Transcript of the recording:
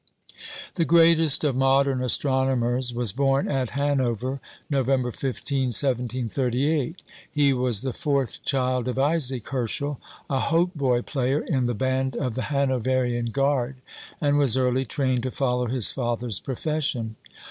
The greatest of modern astronomers was born at Hanover, November 15, 1738. He was the fourth child of Isaac Herschel, a hautboy player in the band of the Hanoverian Guard, and was early trained to follow his father's profession.